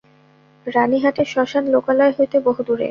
রানীহাটের শ্মশান লোকালয় হইতে বহুদূরে।